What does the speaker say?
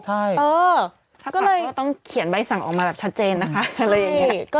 ถ้าปรับก็ต้องเขียนใบสั่งออกมาแบบชัดเจนนะคะ